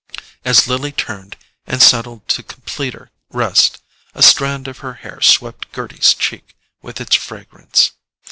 As Lily turned, and settled to completer rest, a strand of her hair swept Gerty's cheek with its fragrance.